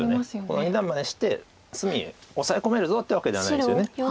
この二段バネして隅オサエ込めるぞっていうわけではないですよね。